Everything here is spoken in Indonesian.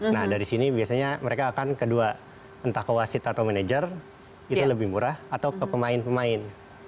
nah dari sini biasanya mereka akan kedua entah ke wasit atau manajer itu lebih murah atau ke pemain pemain